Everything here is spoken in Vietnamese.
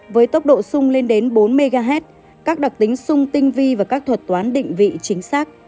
với tốc độ sung lên đến bốn mhz các đặc tính sung tinh vi và các thuật toán định vị chính xác